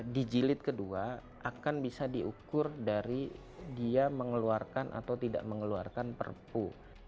dijilid kedua akan bisa diukur dari dia mengeluarkan atau tidak mengeluarkan perpu